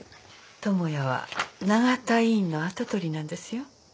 智也は永田医院の跡取りなんですよ。